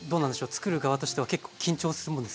つくる側としては結構緊張するものですか？